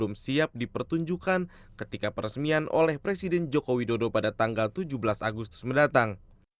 yang siap dipertunjukkan ketika peresmian oleh presiden joko widodo pada tanggal tujuh belas agustus mendatang